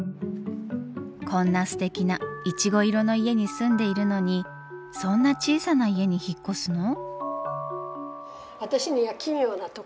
こんなすてきないちご色の家に住んでいるのにそんな小さな家に引っ越すの？